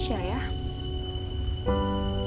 mbak aku mau